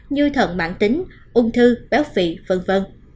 như thần mạng tính ung thư béo phị v v